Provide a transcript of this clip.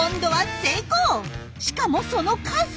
しかもその数。